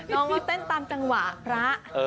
น้องเขาเต้นตามจังหวะพระ